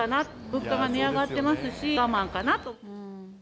物価も値上がってますし、我慢かなと。